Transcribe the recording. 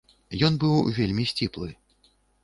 Ён быў вельмі сціплы.